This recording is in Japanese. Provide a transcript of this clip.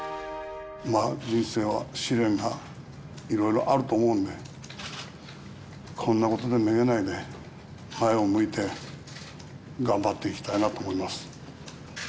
まあ、人生は試練がいろいろあると思うんで、こんなことでめげないで、前を向いて、頑張っていきたいなと思います。